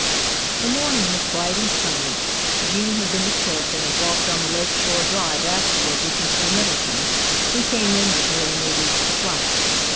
THE morning was bright and sunny. Gene had been to church and had walked on the Lake Shore Drive afterward with Mr. Middleton, who came in with her when they reached the flat.